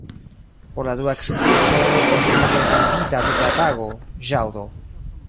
Por la dua ekskurso esti rezervita tuta tago, ĵaŭdo.